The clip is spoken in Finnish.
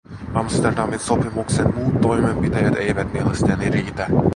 Amsterdamin sopimuksen muut toimenpiteet eivät mielestäni riitä.